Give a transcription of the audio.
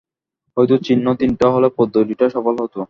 হয়তো চিহ্ন তিনটা হলে পদ্ধতিটা সফল হতো।